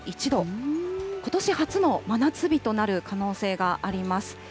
ことし初の真夏日となる可能性があります。